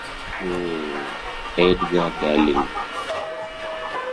Oh, Edgar darling!